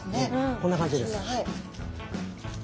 こんな感じです。